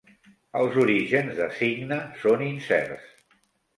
Els orígens de Signa són incerts.